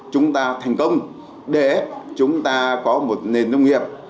chúng ta thành công để chúng ta có một nền nông nghiệp